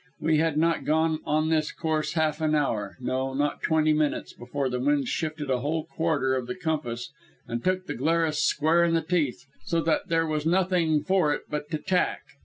We had not gone on this course half an hour no, not twenty minutes before the wind shifted a whole quarter of the compass and took the Glarus square in the teeth, so that there was nothing for it but to tack.